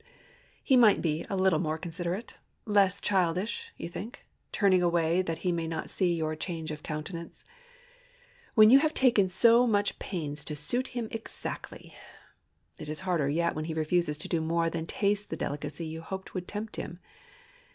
He might be more considerate—less childish—you think, turning away that he may not see your change of countenance. When you have taken so much pains to suit him exactly! It is harder yet when he refuses to do more than taste the delicacy you hoped would tempt him.